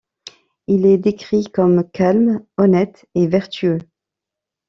Il est décrit comme calme, honnête et vertueux.